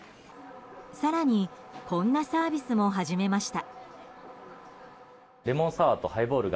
更にこんなサービスも始めました。